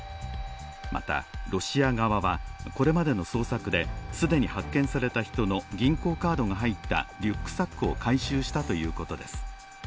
また、ロシア側はこれまでの捜索で既に発見された人の銀行カードが入ったリュックサックを回収したということです。